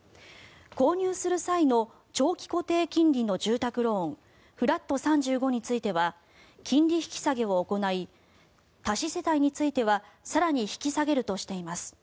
購入する際の長期固定金利の住宅ローンフラット３５については金利引き下げを行い多子世帯については更に引き下げるとしています。